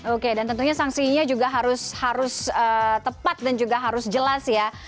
oke dan tentunya sanksinya juga harus tepat dan juga harus jelas ya